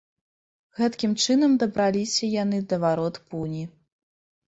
Гэткім чынам дабраліся яны да варот пуні.